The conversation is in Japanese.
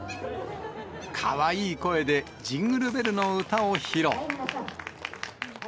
かわいい声で、ジングルベルの歌を披露。